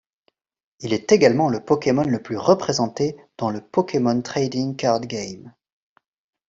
Il est également le Pokémon le plus représenté dans le Pokémon Trading Card Game.